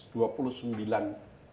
dua puluh sembilan